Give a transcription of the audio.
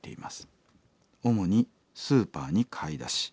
主にスーパーに買い出し。